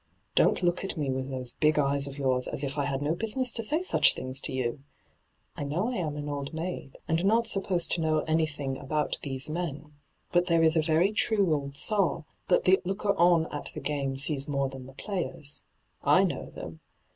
Don't look at me with those big eyes of yours as if I had no business to say such things to you 1 I know I am an old maid, and not supposed to know anything about these men ; but there is a very true old saw, that the looker on at the game sees more than the players. I know them